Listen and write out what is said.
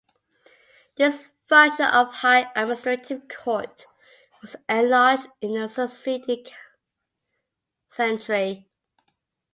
This function of high administrative court was enlarged in the succeeding century.